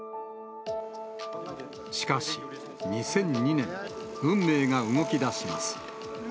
しかし、２００２年、運命が動きだします。